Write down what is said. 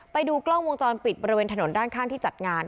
ไปดูกล้องวงจรปิดบริเวณถนนด้านข้างที่จัดงาน